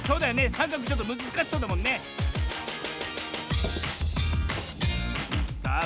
さんかくちょっとむずかしそうだもんねさあ